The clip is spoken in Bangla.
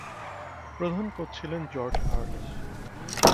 প্রধান কোচ ছিলেন জর্জ আয়ারল্যান্ড।